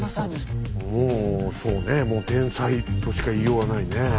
もうそうねもう天才としか言いようがないね。